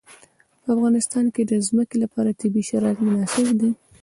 په افغانستان کې د ځمکه لپاره طبیعي شرایط مناسب دي.